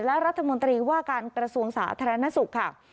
และรัฐมนตรีว่าการกระทรวงสาธารณสุขค่ะ